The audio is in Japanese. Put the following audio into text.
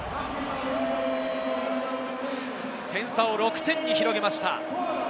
点差を６点に広げました。